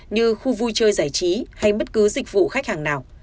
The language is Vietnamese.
như khu vui chơi giải trí hay bất cứ dịch vụ khách hàng nào